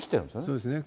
そうですね。